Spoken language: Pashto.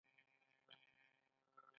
ماهي ولې روغتیا ته ګټور دی؟